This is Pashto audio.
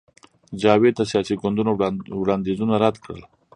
جاوید د سیاسي ګوندونو وړاندیزونه رد کړل